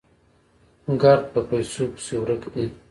ګړد په پيسو پسې ورک دي